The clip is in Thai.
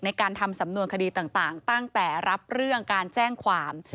ในการทำสำนวนคดีต่างตั้งแต่รับเรื่องการแจ้งความ